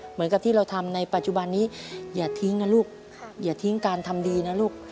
เหมือนกับที่เราทำในปัจจุบันนี้อย่าทิ้งนะลูกอย่าทิ้งการทำดีนะลูก